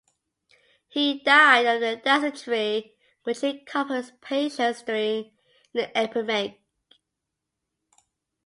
He died of dysentery, which he caught from his patients during an epidemic.